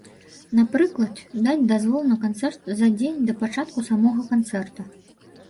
Напрыклад, даць дазвол на канцэрт за дзень да пачатку самога канцэрта.